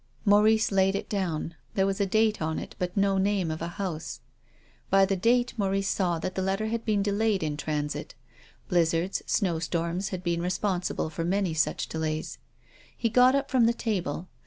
Maurice laid it down. There was a date on it but no name of a house. By the date Maurice saw that the letter had been delayed in transit. Blizzards, snow storms, had been responsible for many such delays. He got up from the table.